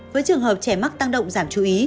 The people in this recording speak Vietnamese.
với trường hợp trẻ mắc tăng động giảm chú ý